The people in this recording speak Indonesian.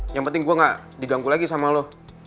yang penting gue gak diganggu lagi sama lo